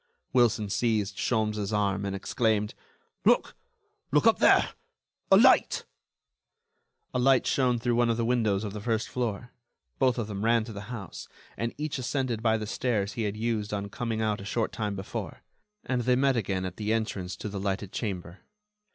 Wilson seized Sholmes' arm, and exclaimed: "Look!... Look up there!... A light...." A light shone through one of the windows of the first floor. Both of them ran to the house, and each ascended by the stairs he had used on coming out a short time before, and they met again at the entrance to the lighted chamber.